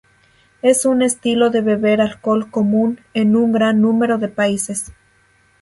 Es un estilo de beber alcohol común en un gran número de países.